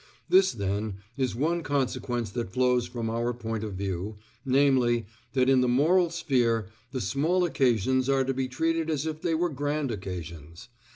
This, then, is one consequence that flows from our point of view: namely, that in the moral sphere the small occasions are to be treated as if they were grand occasions.